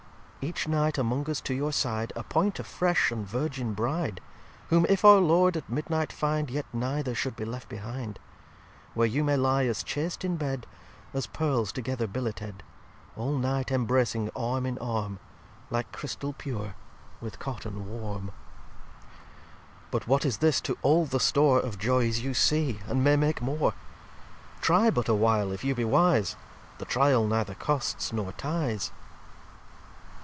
xxiv "Each Night among us to your side Appoint a fresh and Virgin Bride; Whom if Our Lord at midnight find, Yet Neither should be left behind. Where you may lye as chast in Bed, As Pearls together billeted. All Night embracing Arm in Arm, Like Chrystal pure with Cotton warm. xxv "But what is this to all the store Of Joys you see, and may make more! Try but a while, if you be wise: The Tryal neither Costs, nor Tyes."